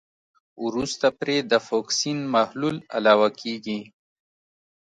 وروسته پرې د فوکسین محلول علاوه کیږي.